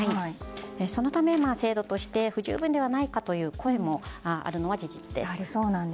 そのため、制度として不十分ではないかという声があるのは事実です。